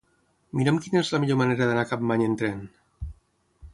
Mira'm quina és la millor manera d'anar a Capmany amb tren.